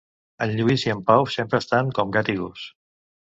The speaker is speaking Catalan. En Lluís i en Pau sempre estan com gat i gos